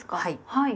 はい。